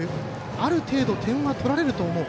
ある程度、点は取られると思う。